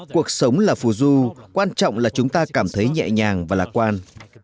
cuộc sống là phù du quan trọng là chúng ta cảm thấy nhẹ nhàng và lạc quan